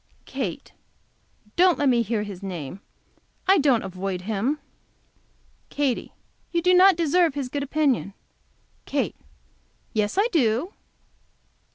Kate Don't let me hear his name. I don't avoid him. Katy. You do not deserve his good opinion. Kate. Yes, I do.